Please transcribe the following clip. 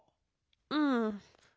うん。